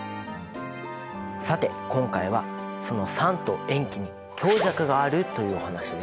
さて今回はその酸と塩基に強弱があるというお話です。